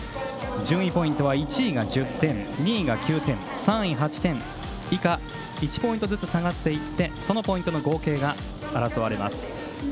順位ポイントは１位が１０点、２位が９点３位８点、以下１ポイントずつ下がっていってそのポイントの合計が争われます。